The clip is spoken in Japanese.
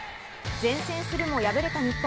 前線するも敗れた日本。